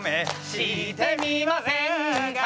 「してみませんか」